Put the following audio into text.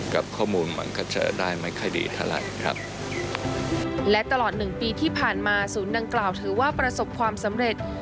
กับข้อมูลมันก็จะได้ไม่ค่อยดีเท่าไหร่ครับและตลอดหนึ่งปีที่ผ่านมาศูนย์ดังกล่าวถือว่าประสบความสำเร็จ